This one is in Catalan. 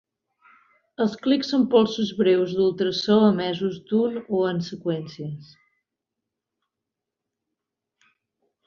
Els clics són polsos breus d'ultrasò emesos d'un o en seqüències.